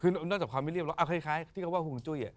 นอกจากความไม่เรียบคล้ายที่คำว่าฮุงจุ้ย